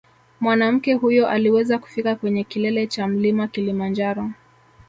Mwanamke huyo aliweza kufika kwenye kilele cha mlima Kilimanjaro